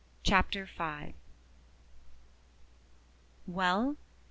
CHAPTER V. "WELL?"